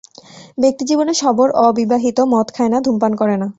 ব্যক্তিজীবনে শবর অবিবাহিত, মদ খায় না, ধূমপান করে না।